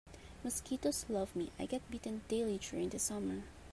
Mosquitoes love me, I get bitten daily during the summer.